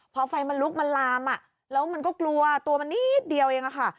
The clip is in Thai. พอไฟมันลุกมันลามแล้วมันก็กลัวตัวมันนิดเดียวเองอะค่ะ